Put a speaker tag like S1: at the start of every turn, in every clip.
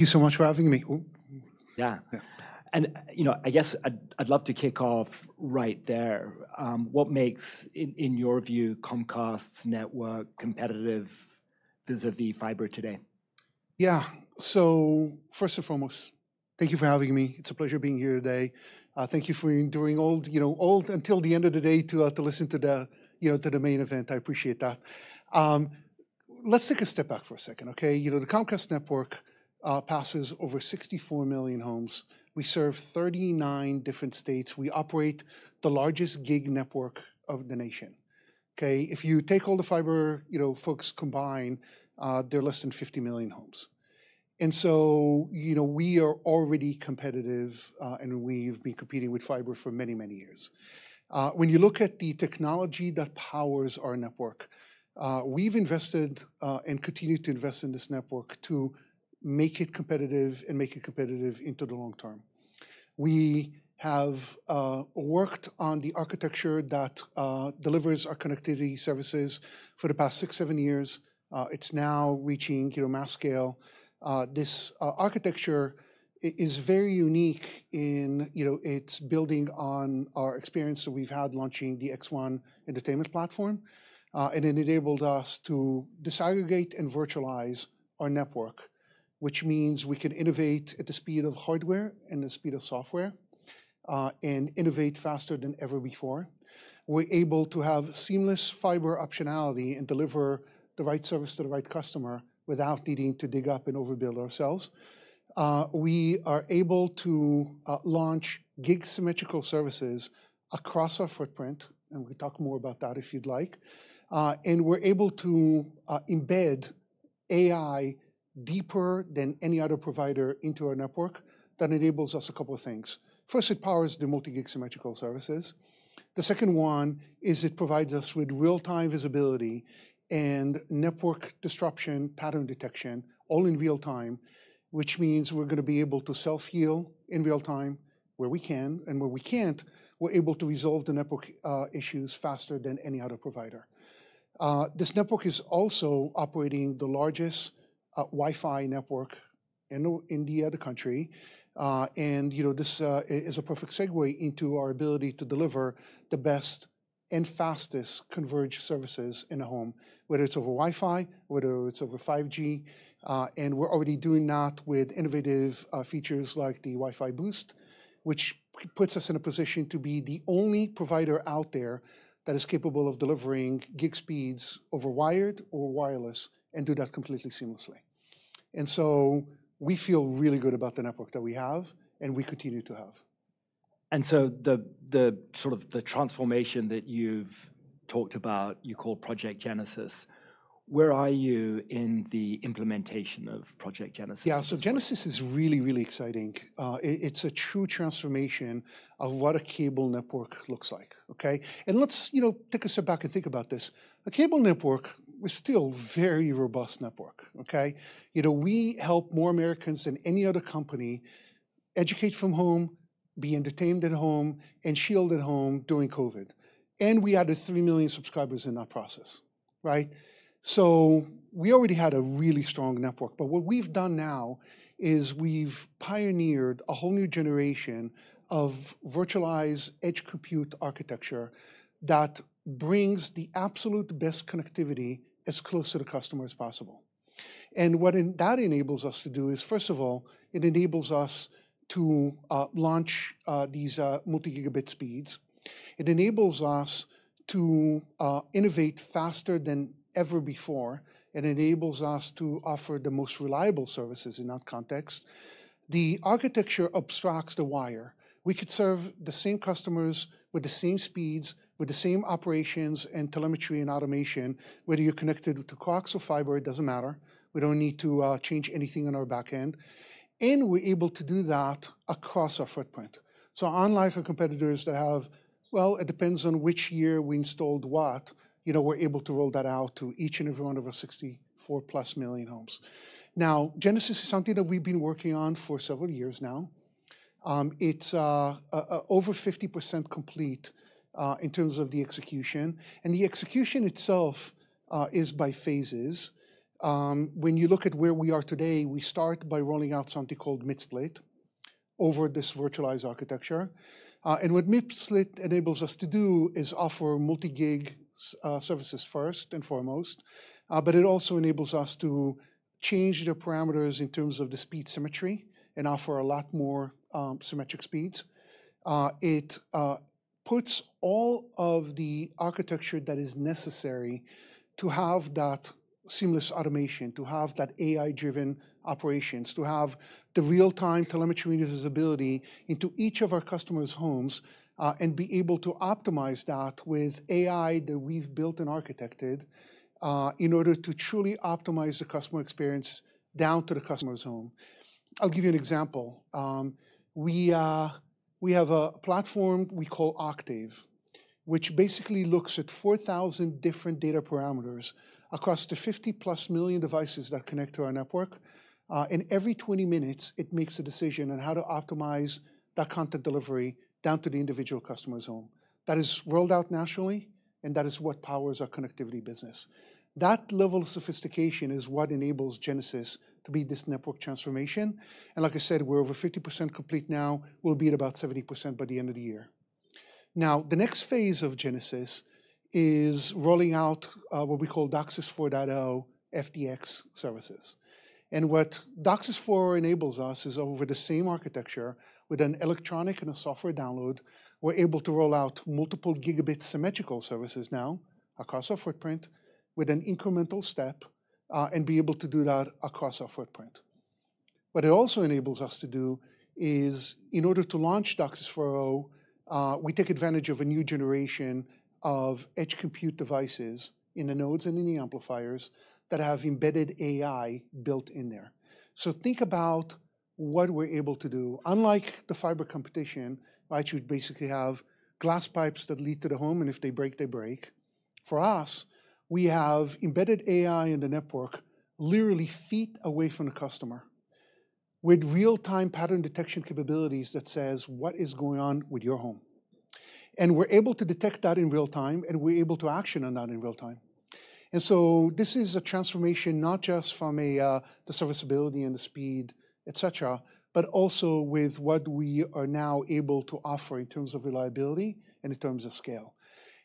S1: Thank you so much for having me. Yeah. You know, I guess I'd love to kick off right there. What makes, in your view, Comcast's network competitive vis-à-vis fiber today? Yeah. First and foremost, thank you for having me. It's a pleasure being here today. Thank you for enduring all, you know, all until the end of the day to listen to the, you know, to the main event. I appreciate that. Let's take a step back for a second, okay? You know, the Comcast network passes over 64 million homes. We serve 39 different states. We operate the largest gig network of the nation. Okay? If you take all the fiber, you know, folks combined, they're less than 50 million homes. And so, you know, we are already competitive, and we've been competing with fiber for many, many years. When you look at the technology that powers our network, we've invested and continue to invest in this network to make it competitive and make it competitive into the long term. We have worked on the architecture that delivers our connectivity services for the past six, seven years. It's now reaching, you know, mass scale. This architecture is very unique in, you know, it's building on our experience that we've had launching the X1 entertainment platform. It enabled us to disaggregate and virtualize our network, which means we can innovate at the speed of hardware and the speed of software and innovate faster than ever before. We're able to have seamless fiber optionality and deliver the right service to the right customer without needing to dig up and overbuild ourselves. We are able to launch gig symmetrical services across our footprint. We can talk more about that if you'd like. We're able to embed AI deeper than any other provider into our network. That enables us a couple of things. First, it powers the multi-gig symmetrical services. The second one is it provides us with real-time visibility and network disruption pattern detection, all in real time, which means we're going to be able to self-heal in real time where we can. Where we can't, we're able to resolve the network issues faster than any other provider. This network is also operating the largest Wi-Fi network in the country. You know, this is a perfect segue into our ability to deliver the best and fastest converged services in a home, whether it's over Wi-Fi, whether it's over 5G. We're already doing that with innovative features like the WiFi Boost, which puts us in a position to be the only provider out there that is capable of delivering gig speeds over wired or wireless and do that completely seamlessly. We feel really good about the network that we have and we continue to have. The sort of the transformation that you've talked about, you call Project Genesis. Where are you in the implementation of Project Genesis? Yeah. Genesis is really, really exciting. It's a true transformation of what a cable network looks like. Okay? Let's, you know, take a step back and think about this. A cable network is still a very robust network. Okay? You know, we help more Americans than any other company educate from home, be entertained at home, and shield at home during COVID. We added 3 million subscribers in that process. Right? We already had a really strong network. What we've done now is we've pioneered a whole new generation of virtualized edge compute architecture that brings the absolute best connectivity as close to the customer as possible. What that enables us to do is, first of all, it enables us to launch these multi-gigabit speeds. It enables us to innovate faster than ever before. It enables us to offer the most reliable services in that context. The architecture abstracts the wire. We could serve the same customers with the same speeds, with the same operations and telemetry and automation, whether you're connected to coax or fiber, it doesn't matter. We don't need to change anything on our back end. We are able to do that across our footprint. Unlike our competitors that have, well, it depends on which year we installed what, you know, we're able to roll that out to each and every one of our 64-plus million homes. Now, Genesis is something that we've been working on for several years now. It's over 50% complete in terms of the execution. The execution itself is by phases. When you look at where we are today, we start by rolling out something called mid-split over this virtualized architecture. What mid-split enables us to do is offer multi-gig services first and foremost. It also enables us to change the parameters in terms of the speed symmetry and offer a lot more symmetric speeds. It puts all of the architecture that is necessary to have that seamless automation, to have that AI-driven operations, to have the real-time telemetry visibility into each of our customers' homes and be able to optimize that with AI that we've built and architected in order to truly optimize the customer experience down to the customer's home. I'll give you an example. We have a platform we call Octave, which basically looks at 4,000 different data parameters across the 50-plus million devices that connect to our network. Every 20 minutes, it makes a decision on how to optimize that content delivery down to the individual customer's home. That is rolled out nationally. That is what powers our connectivity business. That level of sophistication is what enables Genesis to be this network transformation. Like I said, we're over 50% complete now. We'll be at about 70% by the end of the year. The next phase of Genesis is rolling out what we call DOCSIS 4.0 FDX services. What DOCSIS 4.0 enables us is over the same architecture with an electronic and a software download, we're able to roll out multiple gigabit symmetrical services now across our footprint with an incremental step and be able to do that across our footprint. What it also enables us to do is, in order to launch DOCSIS 4.0, we take advantage of a new generation of edge compute devices in the nodes and in the amplifiers that have embedded AI built in there. Think about what we're able to do. Unlike the fiber competition, right, you'd basically have glass pipes that lead to the home, and if they break, they break. For us, we have embedded AI in the network literally feet away from the customer with real-time pattern detection capabilities that says, "What is going on with your home?" We are able to detect that in real time, and we are able to action on that in real time. This is a transformation not just from the serviceability and the speed, et cetera, but also with what we are now able to offer in terms of reliability and in terms of scale.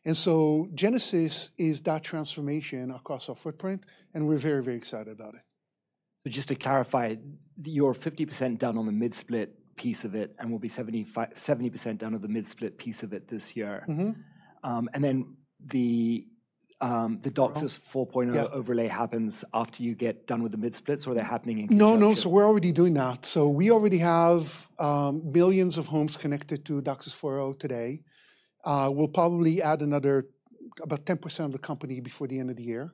S1: Genesis is that transformation across our footprint, and we're very, very excited about it. Just to clarify, you're 50% done on the Midsplit piece of it and will be 70% done on the Midsplit piece of it this year. Then the DOCSIS 4.0 overlay happens after you get done with the Midsplit, so are they happening in conjunction? No, no. We're already doing that. We already have millions of homes connected to DOCSIS 4.0 today. We'll probably add another about 10% of the company before the end of the year.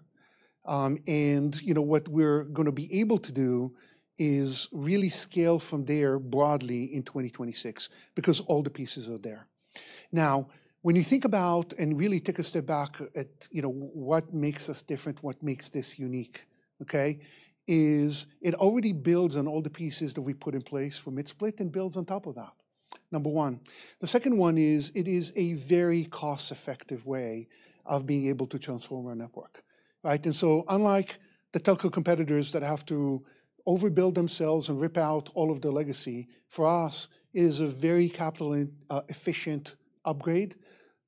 S1: You know, what we're going to be able to do is really scale from there broadly in 2026 because all the pieces are there. Now, when you think about and really take a step back at, you know, what makes us different, what makes this unique, okay, is it already builds on all the pieces that we put in place for Midsplit and builds on top of that, number one. The second one is it is a very cost-effective way of being able to transform our network, right? Unlike the telco competitors that have to overbuild themselves and rip out all of the legacy, for us, it is a very capital-efficient upgrade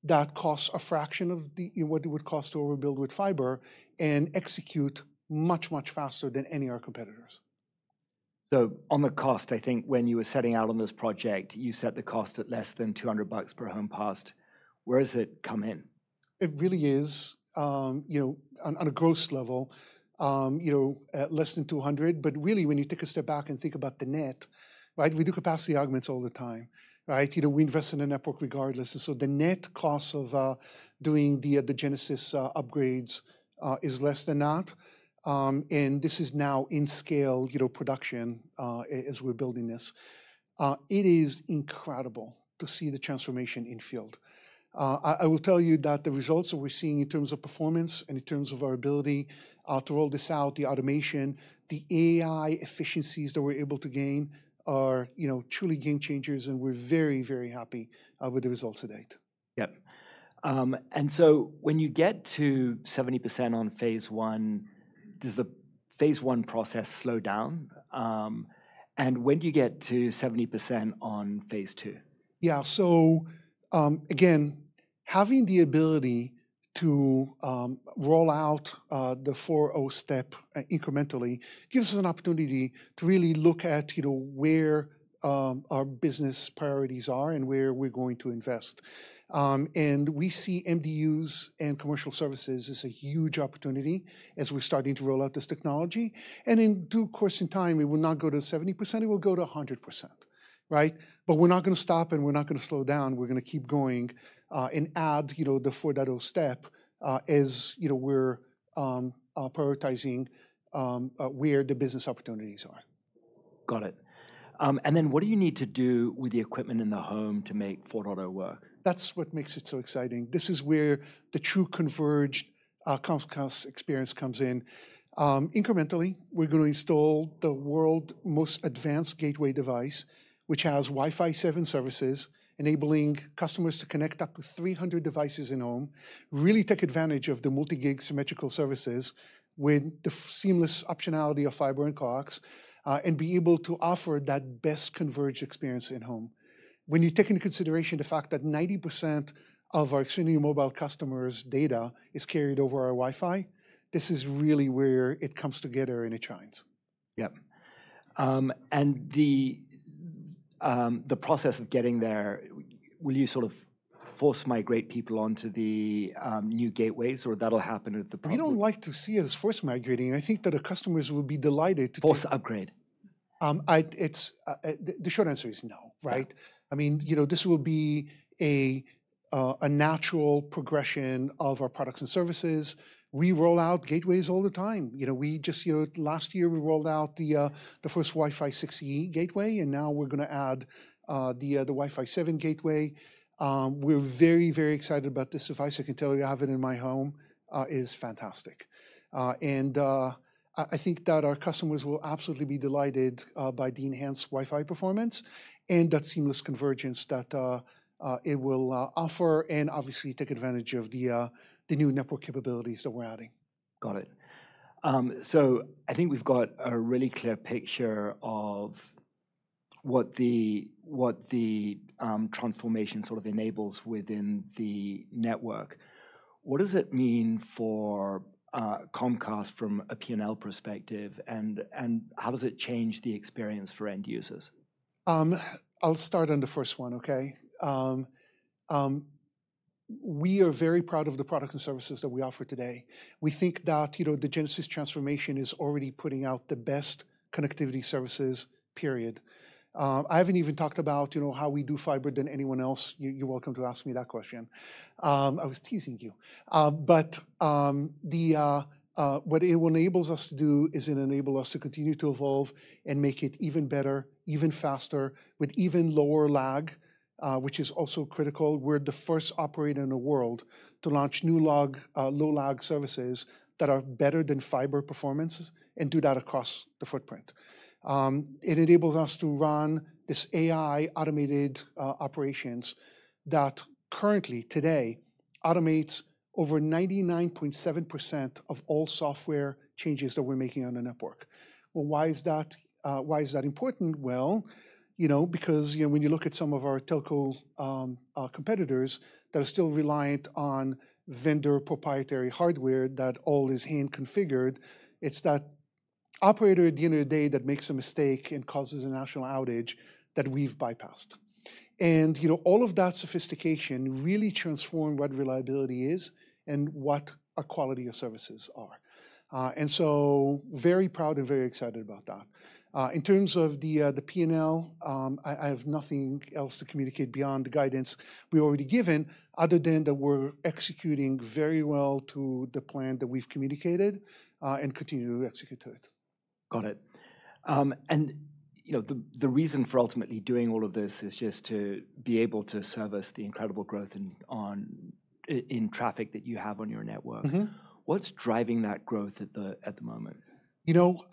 S1: that costs a fraction of what it would cost to overbuild with fiber and execute much, much faster than any of our competitors. On the cost, I think when you were setting out on this project, you set the cost at less than $200 per home cost. Where does it come in? It really is, you know, on a gross level, you know, less than 200. But really, when you take a step back and think about the net, right, we do capacity augments all the time, right? You know, we invest in the network regardless. The net cost of doing the Genesis upgrades is less than that. This is now in-scale, you know, production as we're building this. It is incredible to see the transformation in field. I will tell you that the results that we're seeing in terms of performance and in terms of our ability to roll this out, the automation, the AI efficiencies that we're able to gain are, you know, truly game changers. We are very, very happy with the results to date. Yep. When you get to 70% on phase one, does the phase one process slow down? When do you get to 70% on phase two? Yeah. Again, having the ability to roll out the 4.0 step incrementally gives us an opportunity to really look at, you know, where our business priorities are and where we're going to invest. We see MDUs and commercial services as a huge opportunity as we're starting to roll out this technology. In due course in time, it will not go to 70%. It will go to 100%, right? We're not going to stop, and we're not going to slow down. We're going to keep going and add, you know, the 4.0 step as, you know, we're prioritizing where the business opportunities are. Got it. What do you need to do with the equipment in the home to make 4.0 work? That's what makes it so exciting. This is where the true converged Comcast experience comes in. Incrementally, we're going to install the world's most advanced gateway device, which has Wi-Fi 7 services enabling customers to connect up to 300 devices in home, really take advantage of the multi-gig symmetrical services with the seamless optionality of fiber and coax and be able to offer that best converged experience in home. When you take into consideration the fact that 90% of our extremely mobile customers' data is carried over our Wi-Fi, this is really where it comes together and it shines. Yep. And the process of getting there, will you sort of force migrate people onto the new gateways, or that'll happen at the point? We don't like to see us force migrating. I think that our customers will be delighted to. Force upgrade? The short answer is no, right? I mean, you know, this will be a natural progression of our products and services. We roll out gateways all the time. You know, we just, you know, last year we rolled out the first Wi-Fi 6E gateway, and now we're going to add the Wi-Fi 7 gateway. We're very, very excited about this device. I can tell you I have it in my home. It is fantastic. I think that our customers will absolutely be delighted by enhanced Wi-Fi performance and that seamless convergence that it will offer and obviously take advantage of the new network capabilities that we're adding. Got it. I think we've got a really clear picture of what the transformation sort of enables within the network. What does it mean for Comcast from a P&L perspective, and how does it change the experience for end users? I'll start on the first one, okay? We are very proud of the products and services that we offer today. We think that, you know, the Genesis transformation is already putting out the best connectivity services, period. I haven't even talked about, you know, how we do fiber than anyone else. You're welcome to ask me that question. I was teasing you. What it enables us to do is it enables us to continue to evolve and make it even better, even faster, with even lower lag, which is also critical. We're the first operator in the world to launch new low-lag services that are better than fiber performance and do that across the footprint. It enables us to run this AI automated operations that currently, today, automates over 99.7% of all software changes that we're making on the network. Why is that important? You know, because, you know, when you look at some of our telco competitors that are still reliant on vendor proprietary hardware that all is hand-configured, it's that operator at the end of the day that makes a mistake and causes a national outage that we've bypassed. You know, all of that sophistication really transformed what reliability is and what a quality of services are. I am very proud and very excited about that. In terms of the P&L, I have nothing else to communicate beyond the guidance we've already given other than that we're executing very well to the plan that we've communicated and continue to execute to it. Got it. You know, the reason for ultimately doing all of this is just to be able to service the incredible growth in traffic that you have on your network. What's driving that growth at the moment? You know,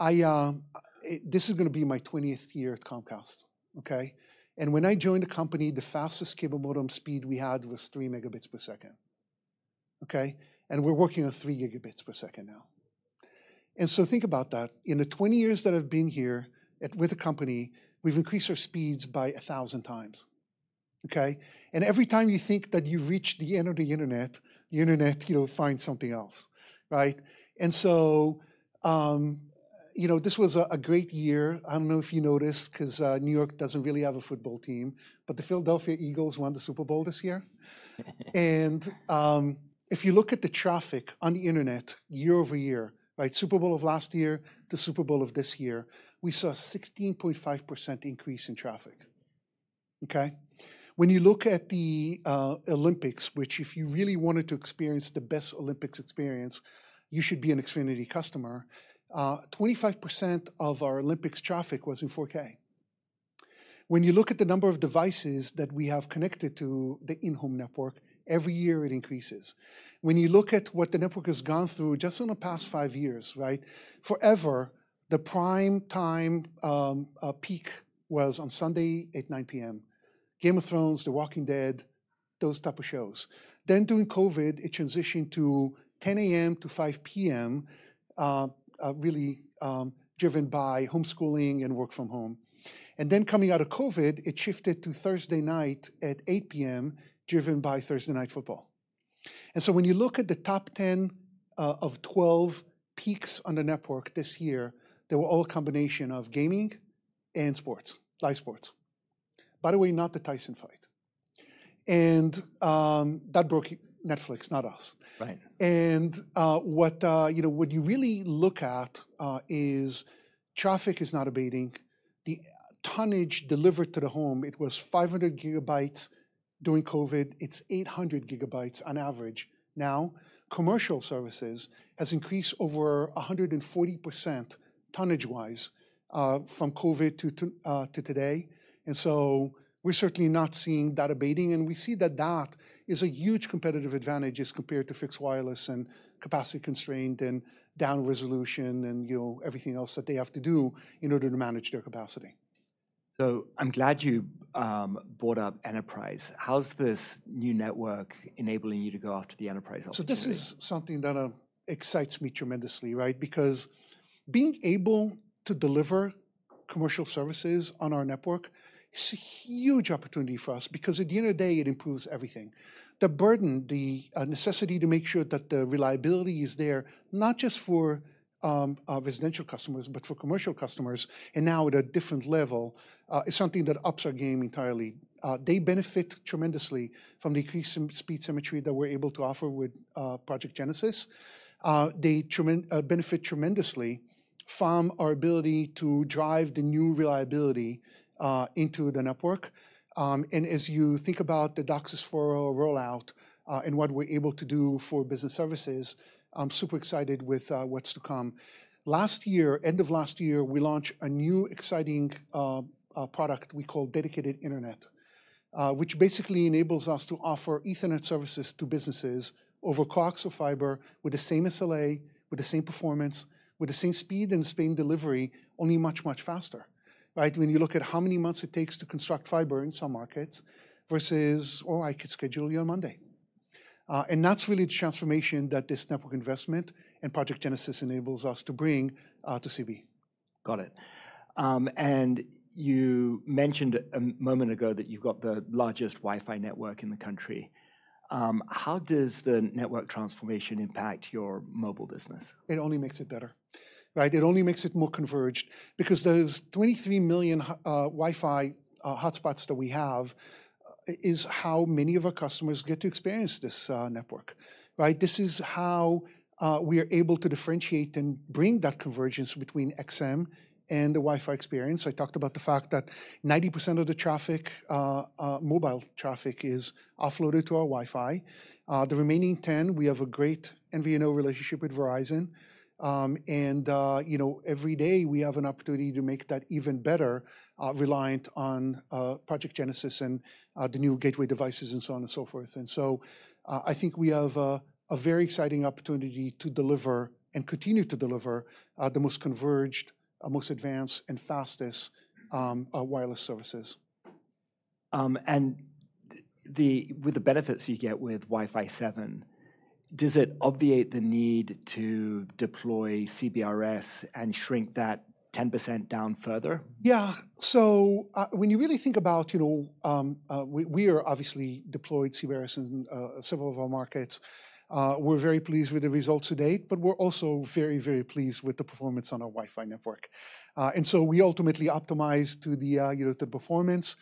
S1: this is going to be my 20th year at Comcast, okay? When I joined the company, the fastest capability speed we had was 3 megabits per second, okay? We're working on 3 gigabits per second now. Think about that. In the 20 years that I've been here with the company, we've increased our speeds by 1,000 times, okay? Every time you think that you've reached the end of the internet, the internet, you know, finds something else, right? You know, this was a great year. I don't know if you noticed because New York doesn't really have a football team, but the Philadelphia Eagles won the Super Bowl this year. If you look at the traffic on the internet year over year, right, Super Bowl of last year to Super Bowl of this year, we saw a 16.5% increase in traffic, okay? When you look at the Olympics, which if you really wanted to experience the best Olympics experience, you should be an Xfinity customer, 25% of our Olympics traffic was in 4K. When you look at the number of devices that we have connected to the in-home network, every year it increases. When you look at what the network has gone through just in the past five years, right, forever, the prime time peak was on Sunday at 9:00 P.M., Game of Thrones, The Walking Dead, those type of shows. During COVID, it transitioned to 10:00 A.M. to 5:00 P.M., really driven by homeschooling and work from home. Coming out of COVID, it shifted to Thursday night at 8:00 P.M., driven by Thursday Night Football. When you look at the top 10 of 12 peaks on the network this year, they were all a combination of gaming and sports, live sports, by the way, not the Tyson fight. That broke Netflix, not us. Right. What you really look at is traffic is not abating. The tonnage delivered to the home, it was 500 gigabytes during COVID. It's 800 gigabytes on average now. Commercial services has increased over 140% tonnage-wise from COVID to today. We are certainly not seeing that abating. We see that that is a huge competitive advantage as compared to fixed wireless and capacity constrained and down resolution and, you know, everything else that they have to do in order to manage their capacity. I'm glad you brought up enterprise. How's this new network enabling you to go after the enterprise opportunity? This is something that excites me tremendously, right? Because being able to deliver commercial services on our network is a huge opportunity for us because at the end of the day, it improves everything. The burden, the necessity to make sure that the reliability is there, not just for residential customers, but for commercial customers and now at a different level, is something that ups our game entirely. They benefit tremendously from the increase in speed symmetry that we're able to offer with Project Genesis. They benefit tremendously from our ability to drive the new reliability into the network. As you think about the DOCSIS 4.0 rollout and what we're able to do for business services, I'm super excited with what's to come. Last year, end of last year, we launched a new exciting product we call Dedicated Internet, which basically enables us to offer Ethernet services to businesses over coax or fiber with the same SLA, with the same performance, with the same speed and the same delivery, only much, much faster, right? When you look at how many months it takes to construct fiber in some markets versus, oh, I could schedule you on Monday. That is really the transformation that this network investment and Project Genesis enables us to bring to CB. Got it. You mentioned a moment ago that you've got the largest Wi-Fi network in the country. How does the network transformation impact your mobile business? It only makes it better, right? It only makes it more converged because those 23 million Wi-Fi hotspots that we have is how many of our customers get to experience this network, right? This is how we are able to differentiate and bring that convergence between XM and the Wi-Fi experience. I talked about the fact that 90% of the traffic, mobile traffic, is offloaded to our Wi-Fi. The remaining 10%, we have a great MVNO relationship with Verizon. You know, every day we have an opportunity to make that even better, reliant on Project Genesis and the new gateway devices and so on and so forth. I think we have a very exciting opportunity to deliver and continue to deliver the most converged, most advanced, and fastest wireless services. With the benefits you get with Wi-Fi 7, does it obviate the need to deploy CBRS and shrink that 10% down further? Yeah. When you really think about, you know, we are obviously deployed CBRS in several of our markets. We're very pleased with the results to date, but we're also very, very pleased with the performance on our Wi-Fi network. You know, we ultimately optimize to the, you know, the performance.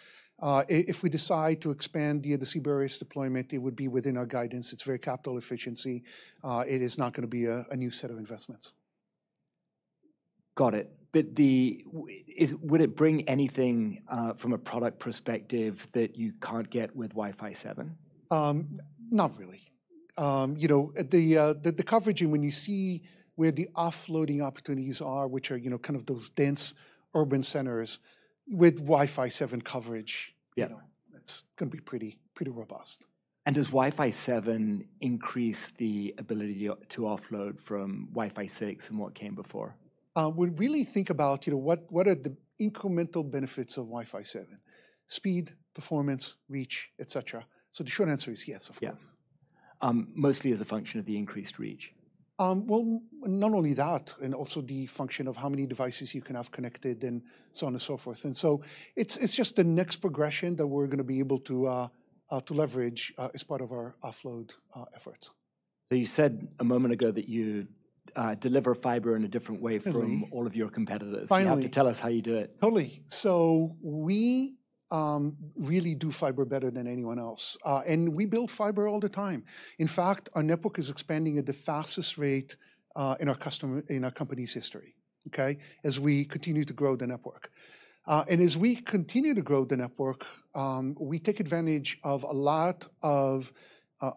S1: If we decide to expand the CBRS deployment, it would be within our guidance. It's very capital efficient. It is not going to be a new set of investments. Got it. Would it bring anything from a product perspective that you can't get with Wi-Fi 7? Not really. You know, the coverage and when you see where the offloading opportunities are, which are, you know, kind of those dense urban centers with Wi-Fi 7 coverage, you know, it's going to be pretty, pretty robust. Does Wi-Fi 7 increase the ability to offload from Wi-Fi 6 and what came before? When we really think about, you know, what are the incremental benefits of Wi-Fi 7? Speed, performance, reach, et cetera. The short answer is yes, of course. Yes. Mostly as a function of the increased reach. Not only that, and also the function of how many devices you can have connected and so on and so forth. It is just the next progression that we are going to be able to leverage as part of our offload efforts. You said a moment ago that you deliver fiber in a different way from all of your competitors. Finally. You have to tell us how you do it. Totally. We really do fiber better than anyone else. We build fiber all the time. In fact, our network is expanding at the fastest rate in our company's history, as we continue to grow the network. As we continue to grow the network, we take advantage of a lot of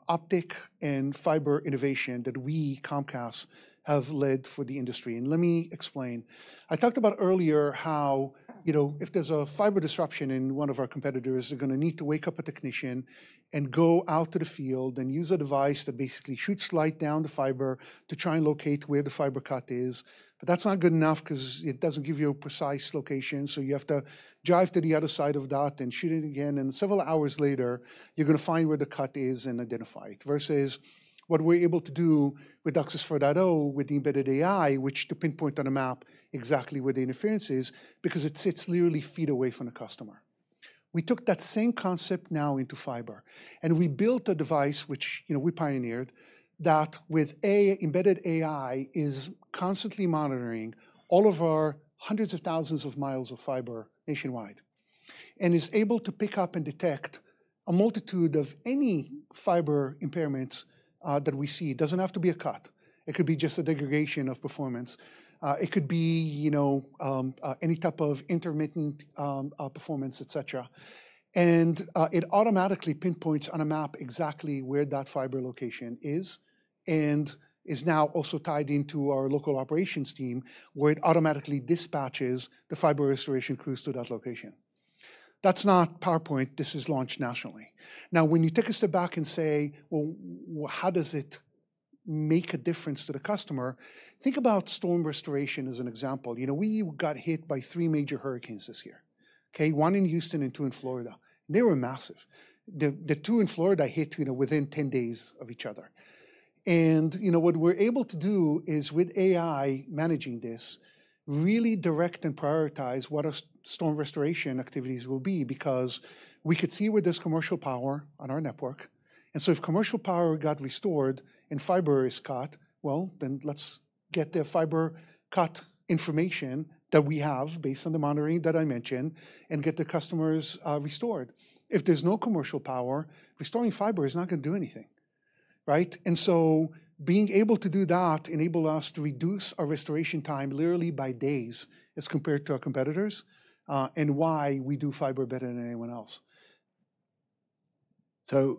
S1: optic and fiber innovation that we, Comcast, have led for the industry. Let me explain. I talked about earlier how, you know, if there is a fiber disruption in one of our competitors, they are going to need to wake up a technician and go out to the field and use a device that basically shoots light down the fiber to try and locate where the fiber cut is. That is not good enough because it does not give you a precise location. You have to drive to the other side of that and shoot it again. Several hours later, you're going to find where the cut is and identify it versus what we're able to do with DOCSIS 4.0 with the embedded AI, which can pinpoint on a map exactly where the interference is because it sits literally feet away from the customer. We took that same concept now into fiber. We built a device, which, you know, we pioneered, that with embedded AI is constantly monitoring all of our hundreds of thousands of miles of fiber nationwide and is able to pick up and detect a multitude of any fiber impairments that we see. It doesn't have to be a cut. It could be just a degradation of performance. It could be, you know, any type of intermittent performance, et cetera. It automatically pinpoints on a map exactly where that fiber location is and is now also tied into our local operations team where it automatically dispatches the fiber restoration crews to that location. That is not PowerPoint. This is launched nationally. Now, when you take a step back and say, you know, how does it make a difference to the customer, think about storm restoration as an example. You know, we got hit by three major hurricanes this year, one in Houston and two in Florida. They were massive. The two in Florida hit, you know, within 10 days of each other. You know, what we are able to do is with AI managing this, really direct and prioritize what our storm restoration activities will be because we could see where there is commercial power on our network. If commercial power got restored and fiber is cut, then let's get the fiber cut information that we have based on the monitoring that I mentioned and get the customers restored. If there's no commercial power, restoring fiber is not going to do anything, right? Being able to do that enabled us to reduce our restoration time literally by days as compared to our competitors and why we do fiber better than anyone else. You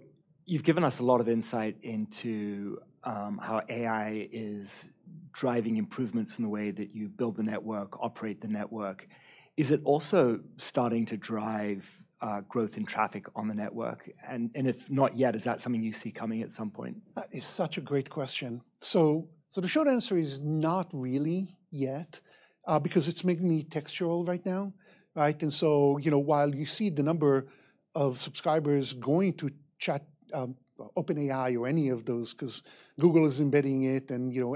S1: have given us a lot of insight into how AI is driving improvements in the way that you build the network, operate the network. Is it also starting to drive growth in traffic on the network? If not yet, is that something you see coming at some point? That is such a great question. The short answer is not really yet because it's mainly textural right now, right? You know, while you see the number of subscribers going to chat, OpenAI or any of those because Google is embedding it and, you know,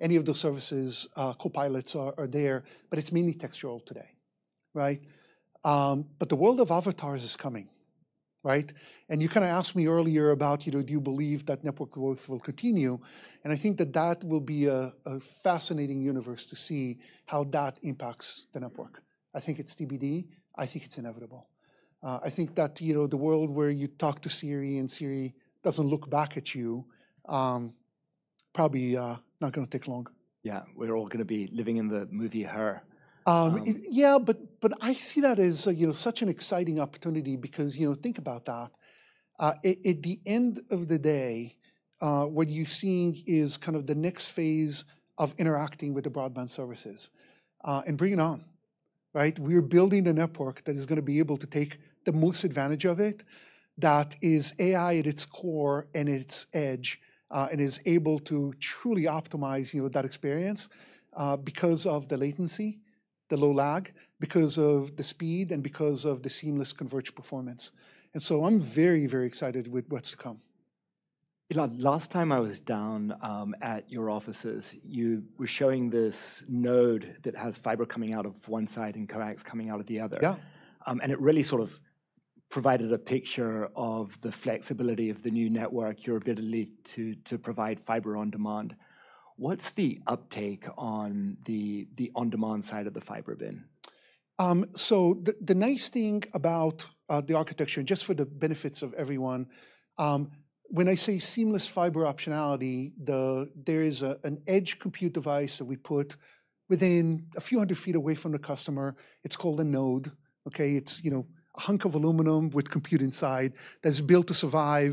S1: any of those services, Copilots are there, but it's mainly textural today, right? The world of avatars is coming, right? You kind of asked me earlier about, you know, do you believe that network growth will continue? I think that that will be a fascinating universe to see how that impacts the network. I think it's TBD. I think it's inevitable. I think that, you know, the world where you talk to Siri and Siri doesn't look back at you probably not going to take long. Yeah. We're all going to be living in the movie Her. Yeah, but I see that as, you know, such an exciting opportunity because, you know, think about that. At the end of the day, what you're seeing is kind of the next phase of interacting with the broadband services and bringing on, right? We are building a network that is going to be able to take the most advantage of it that is AI at its core and its edge and is able to truly optimize, you know, that experience because of the latency, the low-lag, because of the speed and because of the seamless converged performance. I am very, very excited with what's to come. Last time I was down at your offices, you were showing this node that has fiber coming out of one side and coax coming out of the other. Yeah. It really sort of provided a picture of the flexibility of the new network, your ability to provide fiber on demand. What's the uptake on the on-demand side of the fiber been? The nice thing about the architecture, just for the benefits of everyone, when I say seamless fiber optionality, there is an edge compute device that we put within a few hundred feet away from the customer. It's called a node, okay? It's, you know, a hunk of aluminum with compute inside that's built to survive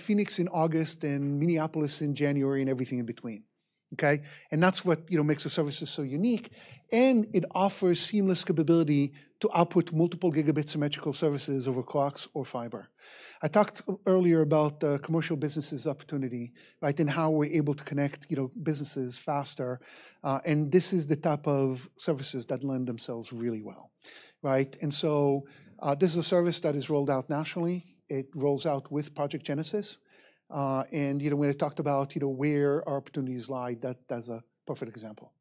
S1: Phoenix in August and Minneapolis in January and everything in between, okay? That's what, you know, makes the services so unique. It offers seamless capability to output multiple gigabit symmetrical services over coax or fiber. I talked earlier about the commercial businesses opportunity, right, and how we're able to connect, you know, businesses faster. This is the type of services that lend themselves really well, right? This is a service that is rolled out nationally. It rolls out with Project Genesis. You know, when I talked about, you know, where our opportunities lie, that's a perfect example.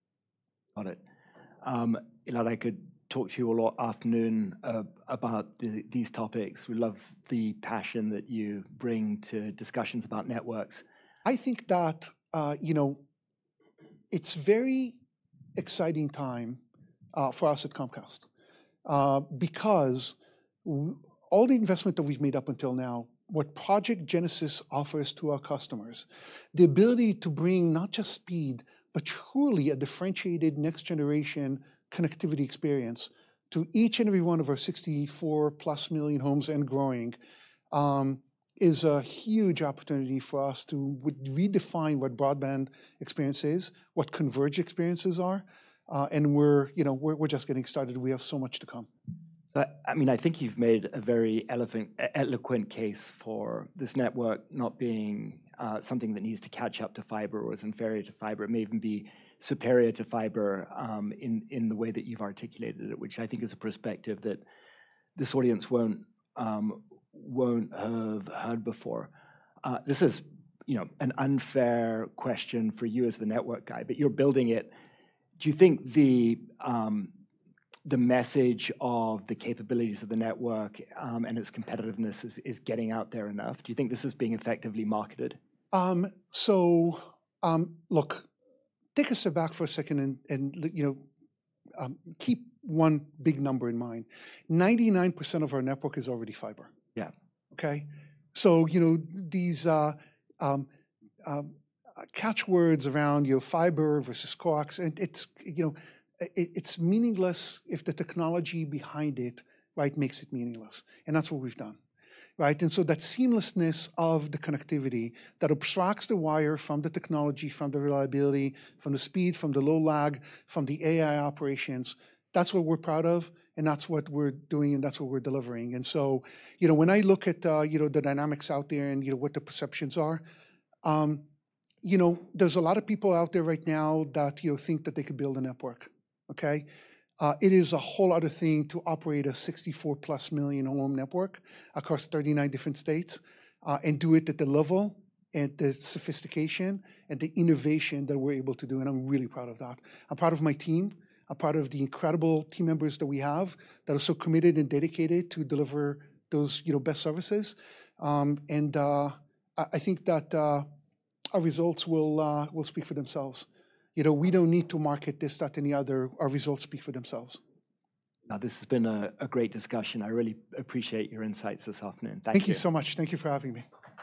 S1: Got it. I could talk to you all afternoon about these topics. We love the passion that you bring to discussions about networks. I think that, you know, it's a very exciting time for us at Comcast because all the investment that we've made up until now, what Project Genesis offers to our customers, the ability to bring not just speed, but truly a differentiated next-generation connectivity experience to each and every one of our 64-plus million homes and growing is a huge opportunity for us to redefine what broadband experience is, what converged experiences are. You know, we're just getting started. We have so much to come. I mean, I think you've made a very eloquent case for this network not being something that needs to catch up to fiber or is inferior to fiber. It may even be superior to fiber in the way that you've articulated it, which I think is a perspective that this audience won't have heard before. This is, you know, an unfair question for you as the network guy, but you're building it. Do you think the message of the capabilities of the network and its competitiveness is getting out there enough? Do you think this is being effectively marketed? Look, take a step back for a second and, you know, keep one big number in mind. 99% of our network is already fiber. Yeah. Okay? So, you know, these catchwords around, you know, fiber versus coax, it's, you know, it's meaningless if the technology behind it, right, makes it meaningless. That's what we've done, right? That seamlessness of the connectivity that abstracts the wire from the technology, from the reliability, from the speed, from the low lag, from the AI operations, that's what we're proud of. That's what we're doing and that's what we're delivering. You know, when I look at, you know, the dynamics out there and, you know, what the perceptions are, you know, there's a lot of people out there right now that, you know, think that they could build a network, okay? It is a whole other thing to operate a 64-plus million home network across 39 different states and do it at the level and the sophistication and the innovation that we're able to do. I'm really proud of that. I'm proud of my team. I'm proud of the incredible team members that we have that are so committed and dedicated to deliver those, you know, best services. I think that our results will speak for themselves. You know, we don't need to market this to any other. Our results speak for themselves. Now, this has been a great discussion. I really appreciate your insights this afternoon. Thank you. Thank you so much. Thank you for having me.